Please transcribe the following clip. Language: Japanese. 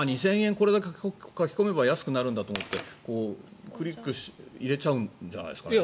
これだけ書き込めば安くなるんだと思ってクリック入れちゃうんじゃないですか。